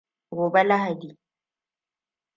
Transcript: Gobe Lahadi.